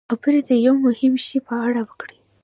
خبرې د یوه مهم شي په اړه وکړي.